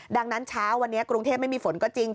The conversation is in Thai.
ดังนั้นเช้าวันนี้กรุงเทพไม่มีฝนก็จริง